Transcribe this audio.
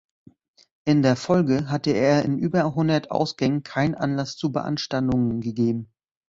In der Folge hatte er in über hundert Ausgängen keinen Anlass zu Beanstandungen gegeben.